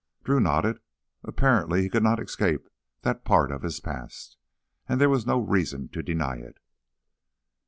Drew nodded. Apparently he could not escape that part of his past, and there was no reason to deny it.